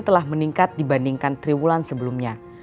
telah meningkat dibandingkan triwulan sebelumnya